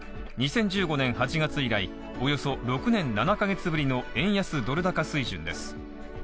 ２０１５年８月以来およそ６年７カ月ぶりの円安・ドル高水準です。